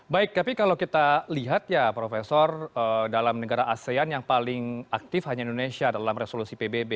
baik tapi kalau kita lihat ya profesor dalam negara asean yang paling aktif hanya indonesia dalam resolusi pbb